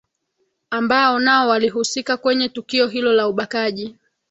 ambao nao walihusika kwenye tukio hilo la ubakaji